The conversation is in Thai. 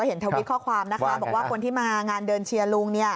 ทวิตข้อความนะคะบอกว่าคนที่มางานเดินเชียร์ลุง